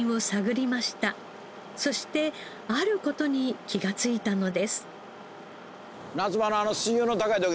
そしてある事に気がついたのです。